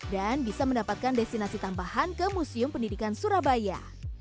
dan bisa mendapatkan destinasi tambahan ke museum pendidikan surabaya